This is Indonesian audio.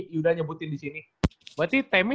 yuda nyebutin disini berarti temi